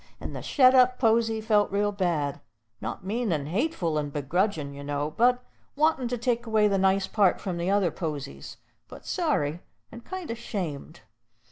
And the shet up posy felt real bad; not mean and hateful and begrudgin', you know, and wantin' to take away the nice part from the other posies, but sorry, and kind o' 'shamed.